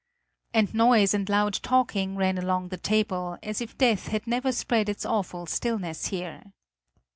And noise and loud talking ran along the table, as if death had never spread its awful stillness here.